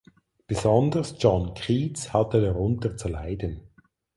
Besonders John Keats hatte darunter zu leiden.